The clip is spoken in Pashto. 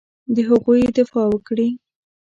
د هغوی دفاع وکړي.